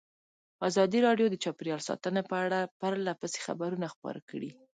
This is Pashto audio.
ازادي راډیو د چاپیریال ساتنه په اړه پرله پسې خبرونه خپاره کړي.